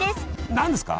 何ですか？